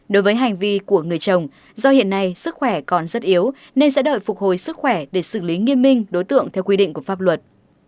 đối với hành vi của người chồng do hiện nay sức khỏe còn rất yếu nên sẽ đợi phục hồi sức khỏe để xử lý nghiêm minh đối tượng theo quy định của pháp luật